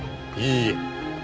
いいえ？